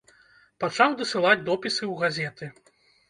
Пачаў дасылаць допісы ў газеты.